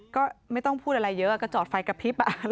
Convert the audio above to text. ก็ไม่ต้องพูดอะไรเยอะก็จอดไฟกระพริบ